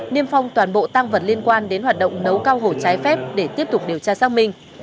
niêm phong toàn bộ tăng vật liên quan đến hoạt động nấu cao hổ trái phép để tiếp tục điều tra xác minh